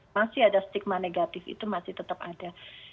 masih ada stigma negatif itu masih tetap ada